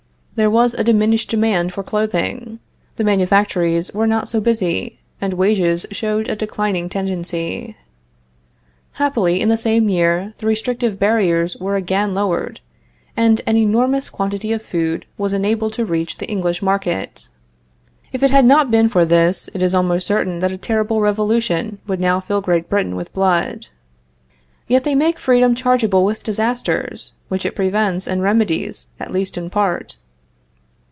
There was a diminished demand for clothing; the manufactories were not so busy, and wages showed a declining tendency. Happily, in the same year, the restrictive barriers were again lowered, and an enormous quantity of food was enabled to reach the English market. If it had not been for this, it is almost certain that a terrible revolution would now fill Great Britain with blood. Yet they make freedom chargeable with disasters, which it prevents and remedies, at least in part.